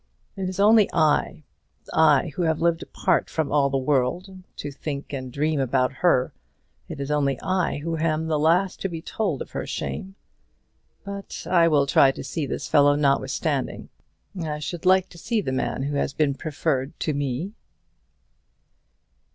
It is only I, I who have lived apart from all the world to think and dream about her, it is only I who am the last to be told of her shame. But I will try to see this fellow notwithstanding. I should like to see the man who has been preferred to me."